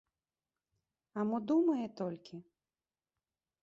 А мо думае толькі?